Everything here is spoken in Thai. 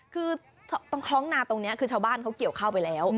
คือตรงคล้องนาตรงนี้คือชาวบ้านเขาเกี่ยวเข้าไปแล้ว